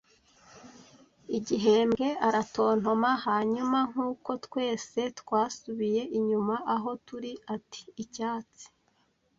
“Igihembwe!” aratontoma. Hanyuma, nkuko twese twasubiye inyuma aho turi, ati: "Icyatsi,"